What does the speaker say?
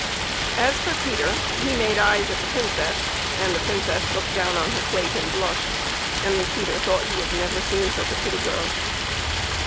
As for Peter, he made eyes at the Princess, and the Princess looked down on her plate and blushed, and Peter thought that he had never seen such a pretty girl.